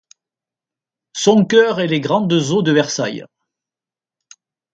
Son coeur et les grandes eaux de Versailles.